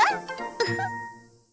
ウフッ。